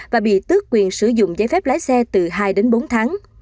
và bị tước quyền sử dụng giấy phép lái xe từ hai đến bốn tháng